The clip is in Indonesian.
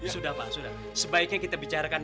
sudah pak sudah sebaiknya kita bicarakan